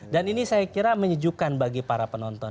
dan ini saya kira menyejukkan bagi para penonton